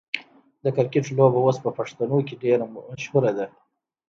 د کرکټ لوبه اوس په پښتنو کې ډیره مشهوره ده.